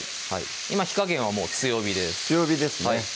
今火加減は強火です強火ですね